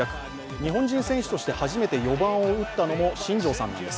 日本人選手として初めて４番を打ったのも新庄さんです。